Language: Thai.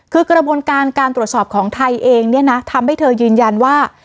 คือกระบวนการการตรวจสอบของไทยเองเนี่ยนะทำให้เธอยืนยันว่า